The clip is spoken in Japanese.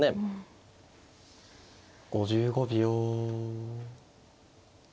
５５秒。